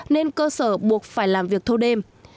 nên cơ sở buộc phải làm việc thâu đêm